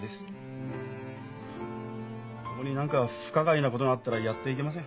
そこに何か不可解なことがあったらやっていけません。